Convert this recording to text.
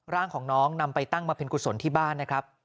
ร่างของน้องนำไปตั้งมาเป็นกุศลที่บ้านนะครับ